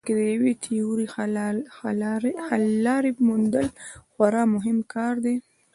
بلکې د یوې تیورۍ یا حللارې موندل خورا مهم کار دی.